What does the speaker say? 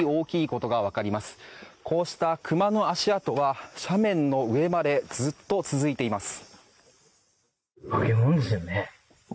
こうした熊の足跡は斜面の上までずっと続いています。